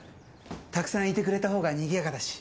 たくさんいてくれたほうがにぎやかだし。